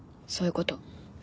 そういうこと。